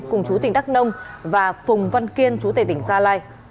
cùng chú tỉnh đắk nông và phùng văn kiên chú tệ tỉnh gia lai